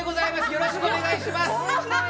よろしくお願いします。